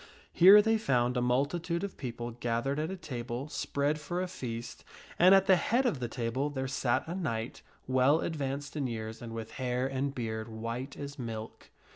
Here they found a multitude of people gathered at a table spread for a feast, and at the head of the table there sat a knight, well advanced in years and with hair and beard white as milk.